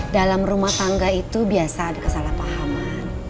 dalam rumah tangga itu biasa ada kesalahpahaman